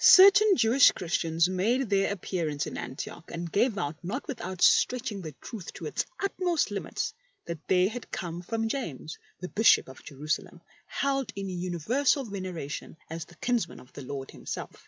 Certain J ewish Christians made their appearance in Antioch, and gave out, not without stretching the truth to its utmost limits, that they had come from THE OLD LAW OR THE NEW ? 51 James, the Bishop of Jerusalem, held in universal veneration as the kinsman of the Lord Himself.